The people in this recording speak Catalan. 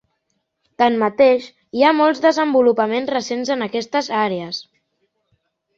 Tanmateix, hi ha molts desenvolupaments recents en aquestes àrees.